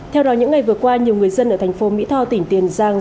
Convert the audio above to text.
theo đó những ngày vừa qua nhiều người dân ở thành phố mỹ tho tỉnh tiền giang